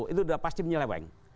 itu sudah pasti menyeleweng